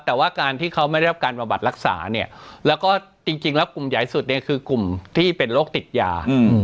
แต่ว่าการที่เขาไม่ได้รับการบำบัดรักษาเนี่ยแล้วก็จริงแล้วกลุ่มใหญ่สุดเนี่ยคือกลุ่มที่เป็นโรคติดยา